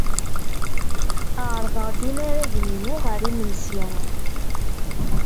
Ɛerḍeɣ-d inaragen-inu ɣer yimensi.